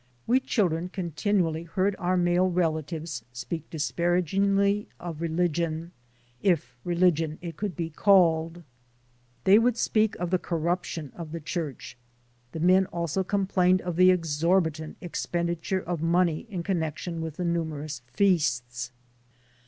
We children continuously heard our male relatives speak disparagingly of religion, if religion it could be called. They would speak of the corruption of the Church. The men also complained of the exorbitant expenditure of money in connec A NATIVE OF ANCIENT APULIA 19 tion with the numerous feasts.